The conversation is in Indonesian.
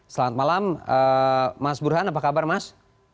selamat malam mas burhan apa kabar mas